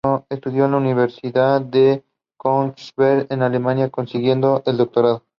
Estudió en la Universidad de Königsberg, en Alemania, consiguiendo el doctorado.